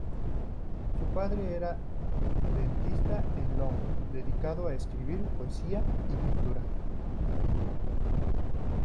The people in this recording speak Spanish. Su padre era dentista en Louny, dedicado a escribir poesía y pintura.